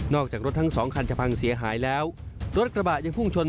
จากรถทั้งสองคันจะพังเสียหายแล้วรถกระบะยังพุ่งชน